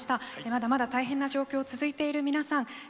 まだまだ大変な状況続いている皆さん。